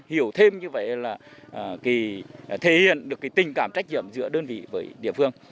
hiểu thêm như vậy là thể hiện được cái tình cảm trách nhiệm giữa đơn vị với địa phương